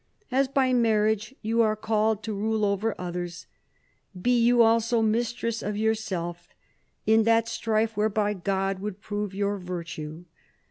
" As by marriage you are called to rule over others, be you also mistress of yourself, in that strife whereby God would prove your virtue.